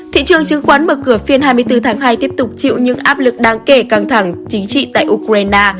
thị trường chứng khoán mở cửa phiên hai mươi bốn tháng hai tiếp tục chịu những áp lực đáng kể căng thẳng chính trị tại ukraine